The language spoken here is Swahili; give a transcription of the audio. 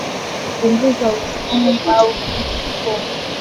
Kupunguza uzani au kilo bila kukoma